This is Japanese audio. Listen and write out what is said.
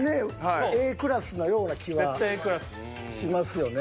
Ａクラスなような気はしますよね。